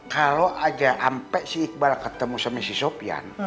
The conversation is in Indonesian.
kalau aja sampe si iqbal ketemu sama si sopyan